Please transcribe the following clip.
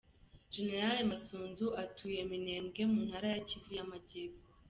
Gen Masunzu atuye Minembwe, mu ntara ya Kivu y’Amajyepfo.